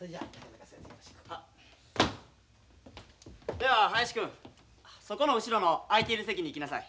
では林君そこの後ろの空いている席に行きなさい。